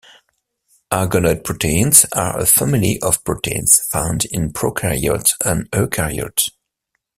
Argonaute proteins are a family of proteins found in prokaryotes and eukaryotes.